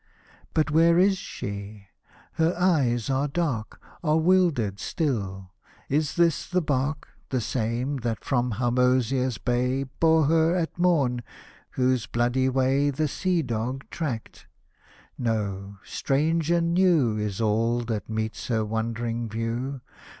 — But where is she ?— her eyes are dark, Are wildered still — is this the bark. The same, that from Harmozia's bay Bore her at mom — whose bloody way The sea dog tracked ?— no — strange and new Is all that meets her wondering view.